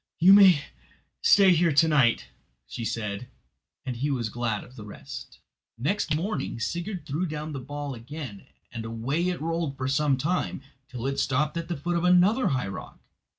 "You may stay here to night," said she; and he was glad of the rest. Next morning Sigurd threw down the ball again and away it rolled for some time, till it stopped at the foot of another high rock.